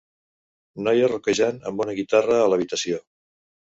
Noia rockejant amb una guitarra a l'habitació.